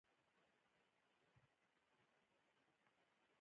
د ډیزلي موټر لوګی ډېر وي.